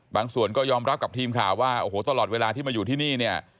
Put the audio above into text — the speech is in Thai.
บางส่วนก็ยอมรับกับทีมข่าวว่าโอ้โหตลอดเวลาที่มาอยู่ที่นี่เนี่ย